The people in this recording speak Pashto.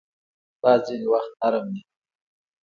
باد ځینې وخت نرم وي